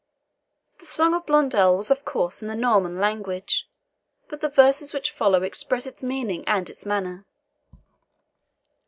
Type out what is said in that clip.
The song of Blondel was of course in the Norman language, but the verses which follow express its meaning and its manner.